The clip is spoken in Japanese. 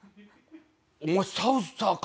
「お前サウザーか！」